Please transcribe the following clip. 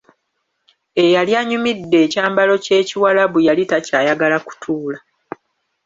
Eyali anyumidde ekyambalo ky'Ekiwarabu yali takyayagala kutuula.